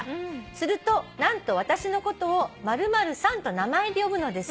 「するとなんと私のことを○○さんと名前で呼ぶのです」